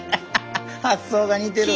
発想が似てるわ。